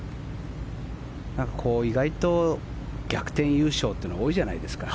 意外と逆転優勝というのが多いじゃないですか。